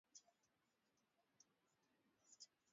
wamechukua serikali na ni hayo tu msikilizaji tuliokuwa nayo kwa leo